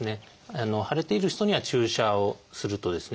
腫れている人には注射をするとですね